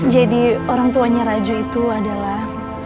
jadi orang tuanya raju itu adalah